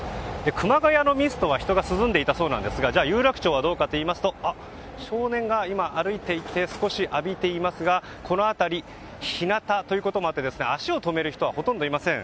熊谷のミストは人が涼んでいたそうですが有楽町はどうかというと少年が今、歩いていて少し浴びていますがこの辺り日なたということもあって足を止める人はほとんどいません。